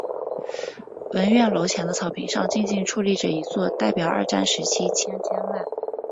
文苑楼前的草坪上静静矗立着一座代表二战时期千千万万“慰安妇”制度受害者的中韩“慰安妇”和平少女像